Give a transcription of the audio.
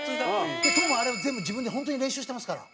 トムあれを全部自分で本当に練習してますから。